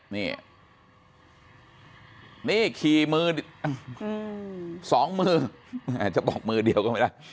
นี่นี่ขี่มือสองมือจะบอกมือเดียวก็ไม่ได้